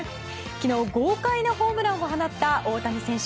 昨日、豪快なホームランを放った大谷選手